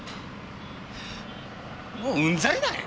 もううんざりなんや！